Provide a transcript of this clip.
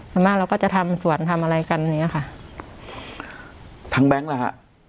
สำหรับเราก็จะทำส่วนทำอะไรกันอย่างเนี้ยค่ะทั้งแบงค์แล้วค่ะ